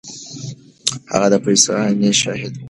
هغه د پیښو عیني شاهد و.